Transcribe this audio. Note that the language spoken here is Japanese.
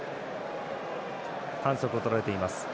反則をとられています。